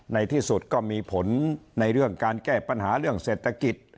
ในที่สุดก็มีผลในเรื่องการแก้ปัญหาเรื่องเศรษฐกิจ